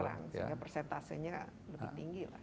sehingga persentasenya lebih tinggi lah